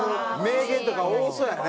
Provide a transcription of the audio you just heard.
名言とか多そうやね。